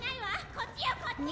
こっちよこっち！